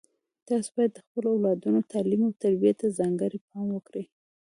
تاسو باید د خپلو اولادونو تعلیم او تربیې ته ځانګړی پام وکړئ